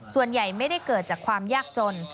ส่วนใหญ่ไม่ได้เกิดจากความยากจน